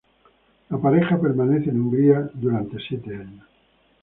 La pareja permanece en Hungría por siete años.